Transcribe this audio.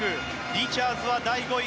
リチャーズは第５位。